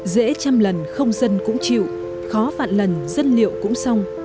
dễ trăm lần không dân cũng chịu khó vạn lần dân liệu cũng xong